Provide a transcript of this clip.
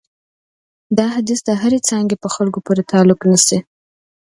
دا حدیث د هرې څانګې په خلکو پورې تعلق نیسي.